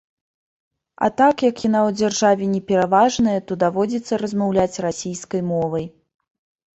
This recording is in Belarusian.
А так як яна ў дзяржаве не пераважная, то даводзіцца размаўляць расійскай мовай.